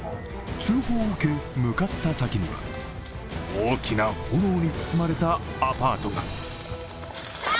通報を受け向かった先には大きな炎に包まれたアパートが。